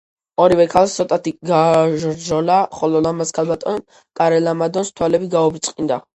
ორივე ქალს ცოტათი გააჟრჟოლა , ხოლო ლამაზ ქალბატონ კარე-ლამადონს თვალები გაუბრწყინდა.